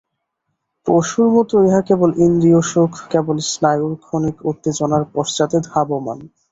পশুর মত ইহা কেবল ইন্দ্রিয়সুখ, কেবল স্নায়ুর ক্ষণিক উত্তেজনার পশ্চাতে ধাবমান।